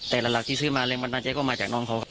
แต่ละหลักที่ซื้อมาเรียงบรรจัยก็มาจากน้องเขาครับ